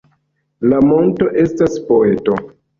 La monto estas poeto